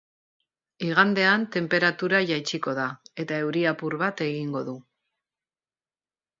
Igandean tenperatura jaitsiko da, eta euri apur bat egingo du.